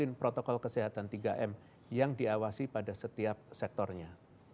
dan menggunakan protokol kesehatan tiga m yang diawasi pada setiap sektornya